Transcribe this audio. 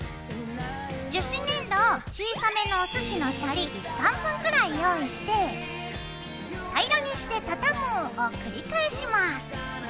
樹脂粘土を小さめのおすしのシャリ１貫分ぐらい用意して平らにして畳むを繰り返します。